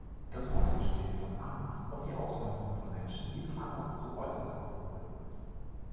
Das Fortbestehen von Armut und die Ausbeutung von Menschen gibt Anlass zu äußerster Beunruhigung.